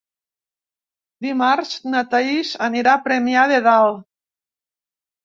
Dimarts na Thaís anirà a Premià de Dalt.